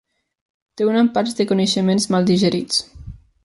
Té un empatx de coneixements mal digerits.